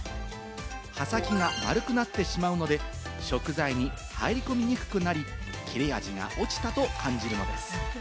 刃先が丸くなってしまうので、食材に入り込みにくくなり、切れ味が落ちたと感じるのです。